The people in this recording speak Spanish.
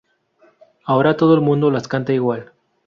Ahora todo el mundo las canta igual"".